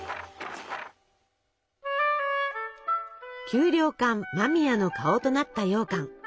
給糧艦間宮の顔となったようかん。